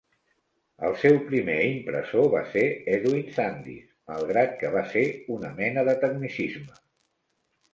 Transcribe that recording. El seu primer impressor va ser Edwin Sandys, malgrat que va ser una mena de tecnicisme.